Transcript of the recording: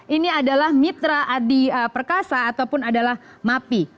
ini adalah mitra adi perkasa ataupun adalah mapi